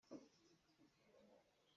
Mah bia hi mei kan toh ṭi lioah na chim.